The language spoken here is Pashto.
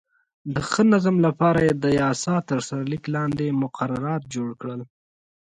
د ښه نظم لپاره یې د یاسا تر سرلیک لاندې مقررات جوړ کړل.